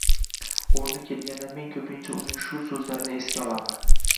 O‘rni kelganda men ko‘pincha uning shu so‘zlarini esga olaman